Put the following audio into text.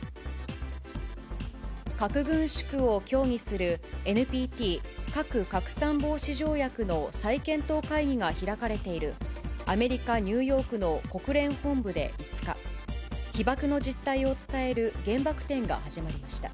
核軍縮を協議する、ＮＰＴ・核拡散防止条約の再検討会議が開かれている、アメリカ・ニューヨークの国連本部で５日、被爆の実態を伝える原爆展が始まりました。